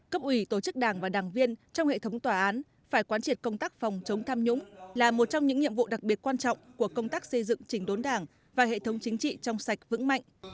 cấp ủy tổ chức đảng và đảng viên trong hệ thống tòa án phải quán triệt công tác phòng chống tham nhũng là một trong những nhiệm vụ đặc biệt quan trọng của công tác xây dựng chỉnh đốn đảng và hệ thống chính trị trong sạch vững mạnh